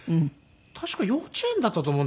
確か幼稚園だったと思うんですよ。